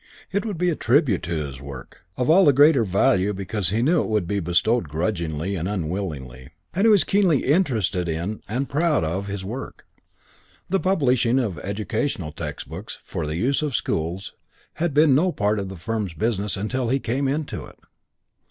It would be a tribute to his work, of all the greater value because he knew it would be bestowed grudgingly and unwillingly, and he was keenly interested in and proud of his work. The publishing of educational textbooks "for the use of schools" had been no part of the firm's business until he came into it.